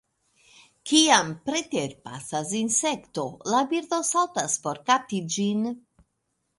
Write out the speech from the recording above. Kiam preterpasas insekto, la birdo saltas por kapti ĝin.